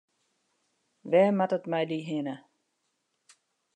Wêr moat it mei dy hinne?